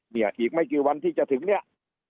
อีกไม่กี่วันที่จะถึงเนี่ย